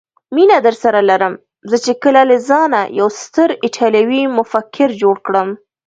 مینه درسره لرم، زه چې کله له ځانه یو ستر ایټالوي مفکر جوړ کړم.